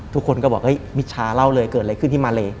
ทุกคนก็บอกเฮ้ยมิชาเล่าเลยเกิดอะไรขึ้นที่มาเล